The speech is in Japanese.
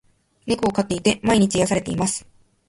猫を飼っていて、毎日癒されています。